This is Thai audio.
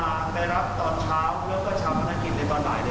ก็จะมาไปรับตอนเช้าแล้วก็เช้าพนักศิลป์ในตอนหลายได้